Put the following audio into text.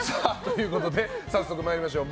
早速参りましょう。